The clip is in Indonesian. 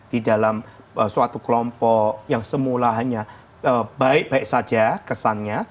di dalam suatu kelompok yang semula hanya baik baik saja kesannya